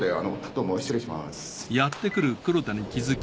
どうも失礼します。